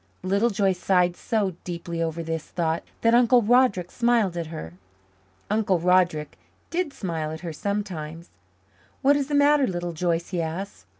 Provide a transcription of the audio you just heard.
Little Joyce sighed so deeply over this thought that Uncle Roderick smiled at her. Uncle Roderick did smile at her sometimes. "What is the matter, Little Joyce?" he asked.